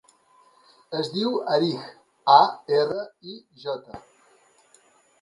Es diu Arij: a, erra, i, jota.